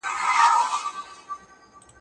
خپل جنون په کاڼو ولم.